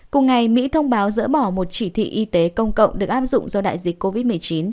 cùng ngày mỹ thông báo dỡ bỏ một chỉ thị y tế công cộng được áp dụng do đại dịch covid một mươi chín